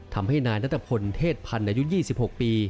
ทำให้นายนัทพลเทศพันธ์อายุ๒๖ปี